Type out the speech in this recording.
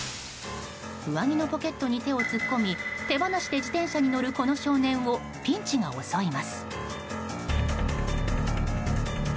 上着のポケットに手を突っ込み手放しで自転車に乗るこの少年をピンチが襲います。